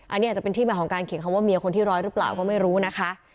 อันนี้อาจจะเป็นที่มาของการเขียนคำว่าเมียคนที่ร้อยหรือเปล่าก็ไม่รู้นะคะ